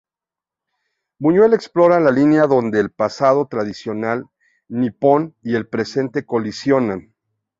Buñuel explora la línea donde el pasado tradicional nipón y el presente colisionan.